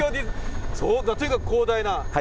そうか、とにかく広大な。